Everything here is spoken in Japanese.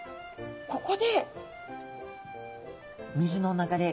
ここで水の流れ